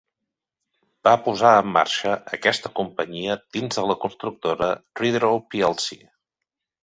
Va posar en marxa aquesta companyia dins de la constructora Redrow plc.